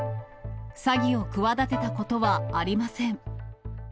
詐欺を企てたことはありません。